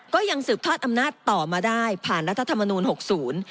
ก็ยังสืบทอดอำนาจต่อมาได้ผ่านรัฐธรรมนูลหกศูนย์